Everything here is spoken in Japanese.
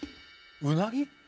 うなぎ？